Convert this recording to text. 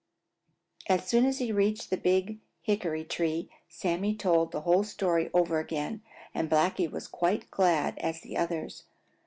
As soon as he reached the Big Hickory tree, Sammy told the whole story over again, and Blacky was quite as glad as the others.